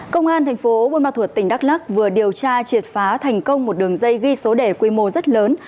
công an thành phố buôn ma thuột tỉnh đắk lắc vừa điều tra triệt phá thành công một đường dây ghi số đề quy mô rất lớn